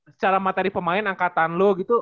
secara materi pemain angkatan lo gitu